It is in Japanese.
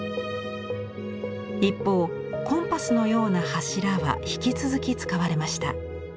一方コンパスのような柱は引き続き使われました。